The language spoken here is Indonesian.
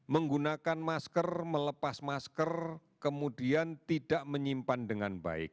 menggunakan masker melepas masker kemudian tidak menyimpan dengan baik